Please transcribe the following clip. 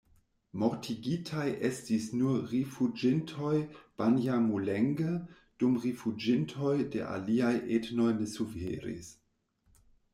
Mortigitaj estis nur rifuĝintoj-banjamulenge, dum rifuĝintoj de aliaj etnoj ne suferis.